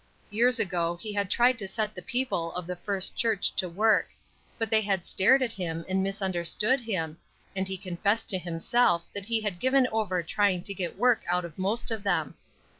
Years ago he had tried to set the people of the First Church to work; but they had stared at him and misunderstood him, and he confessed to himself that he had given over trying to get work out of most of them.